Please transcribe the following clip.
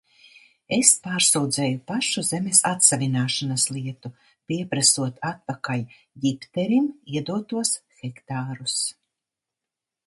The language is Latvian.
Es pārsūdzēju pašu zemes atsavināšanas lietu, pieprasot atpakaļ Ģipterim iedotos hektārus.